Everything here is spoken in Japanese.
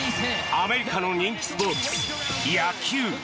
アメリカの人気スポーツ野球。